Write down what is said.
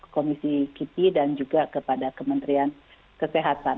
komisi kipi dan juga kepada kementerian kesehatan